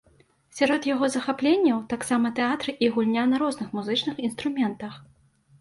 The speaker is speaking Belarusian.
Сярод яго захапленняў таксама тэатр і гульня на розных музычных інструментах.